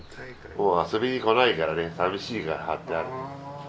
もう遊びに来ないからね寂しいから貼ってある。